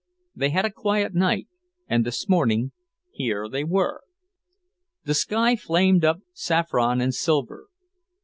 They had a quiet night, and this morning, here they were! The sky flamed up saffron and silver.